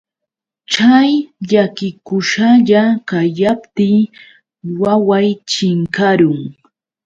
Chay llakikusalla kayaptiy waway chinkarun.